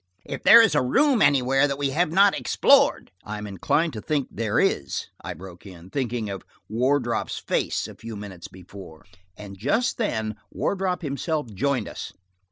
If there is a room anywhere that we have not explored–" "I am inclined to think there is," I broke in, thinking of Wardrop's face a few minutes before. And just then Wardrop himself joined us.